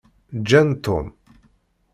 Ǧǧan Tom.